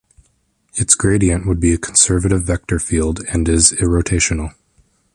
Its gradient would be a conservative vector field and is irrotational.